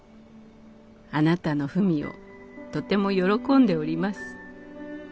あなたの文をとても喜んでおります」。